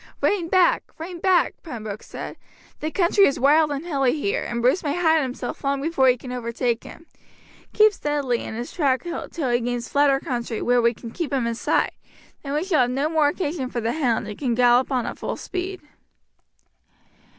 "Rein back, rein back," Pembroke said, "the country is wild and hilly here, and Bruce may hide himself long before you can overtake him. Keep steadily in his track till he gains flatter country, where we can keep him in sight, then we shall have no more occasion for the hound and can gallop on at full speed."